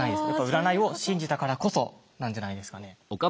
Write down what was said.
やっぱ占いを信じたからこそなんじゃないですかね。